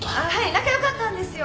仲良かったんですよ